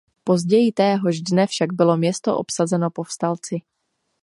Později téhož dne však bylo město obsazeno povstalci.